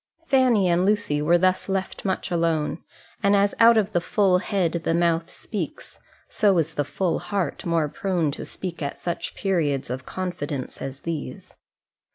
Fanny and Lucy were thus left much alone: and as out of the full head the mouth speaks, so is the full heart more prone to speak at such periods of confidence as these.